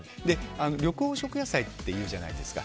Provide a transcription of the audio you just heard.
緑黄色野菜って言うじゃないですか。